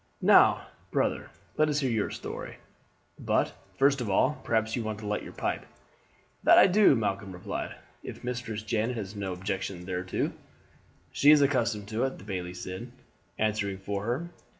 "Now, brother, let us hear your story; but, first of all, perhaps you want to light your pipe?" "That do I," Malcolm replied, "if Mistress Janet has no objection thereto." "She is accustomed to it," the bailie said, answering for her.